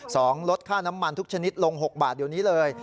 ลดค่าน้ำมันทุกชนิดลงหกบาทเดี๋ยวนี้เลย